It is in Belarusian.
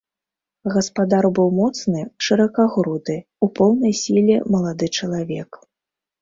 Гаспадар быў моцны, шыракагруды, у поўнай сіле малады чалавек.